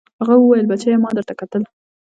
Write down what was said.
هغه وويل بچيه ما درته کتل.